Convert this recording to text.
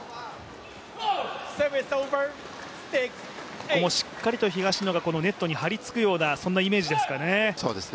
ここもしっかりと東野がネットに張り付くようなそんなイメージですかね。